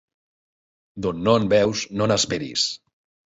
D'on no en veus, no n'esperis.